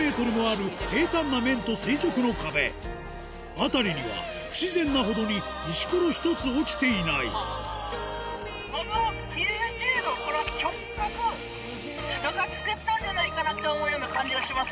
辺りには不自然なほどに石ころ一つ落ちていないこの。って思うような感じがしますけど。